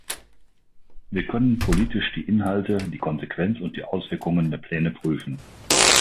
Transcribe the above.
Wir können politisch die Inhalte, die Konsequenz und die Auswirkungen der Pläne prüfen.